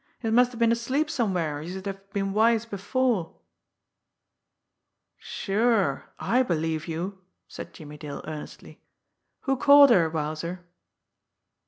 Youse must have been asleep somewhere, or youse'd have been wise before." "Sure I believe you!" said Jimmie Dale earnestly. "Who caught her, Wowzer?"